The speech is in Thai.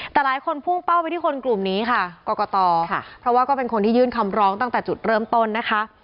แต่หลายคนพุ่งเป้าไปที่คนกลุ่มนี้ค่ะกรกตค่ะเพราะว่าก็เป็นคนที่ยื่นคำร้องตั้งแต่จุดเริ่มต้นนะคะ